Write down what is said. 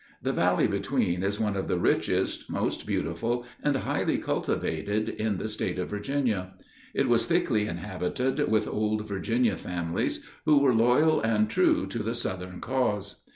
The valley between is one of the richest, most beautiful, and highly cultivated in the State of Virginia. It was thickly inhabited with old Virginia families, who were loyal and true to the Southern cause.